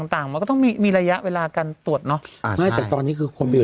อย่าให้ตรงสะพานกับรถที่มันเป็นเหตุเนี่ย